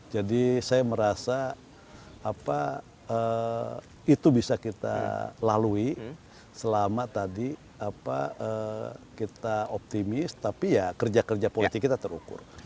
jadi saya merasa itu bisa kita lalui selama tadi kita optimis tapi ya kerja kerja politik kita terukur